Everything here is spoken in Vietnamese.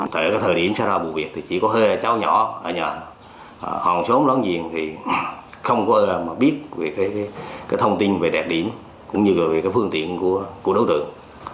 thời điểm xảy ra vụ việc thì chỉ có hơi cháu nhỏ ở nhà hoàng số lớn diện thì không có ơ mà biết về cái thông tin về đẹp điểm cũng như về cái phương tiện của đối tượng